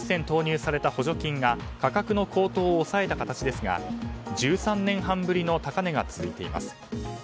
投入された補助金が価格の高騰を抑えた形ですが１３年半ぶりの高値が続いています。